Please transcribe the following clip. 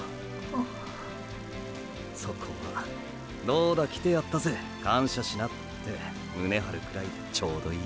そこは「どうだ来てやったぜ感謝しな」って胸張るくらいでちょうどいい。